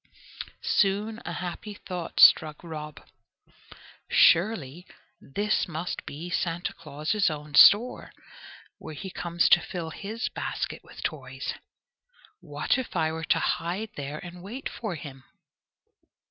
Soon a happy thought struck Rob. "Surely this must be Santa Claus's own store, where he comes to fill his basket with toys! What if I were to hide there and wait for him?"